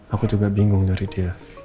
aku juga bingung nyari dia